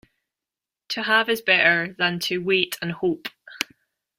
To have is better than to wait and hope.